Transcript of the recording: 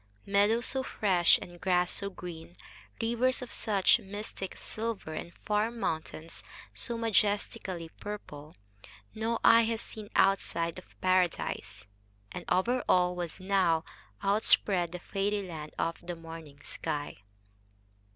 Meadows so fresh and grass so green, rivers of such mystic silver and far mountains so majestically purple, no eye has seen outside of Paradise; and over all was now outspread the fairy land of the morning sky.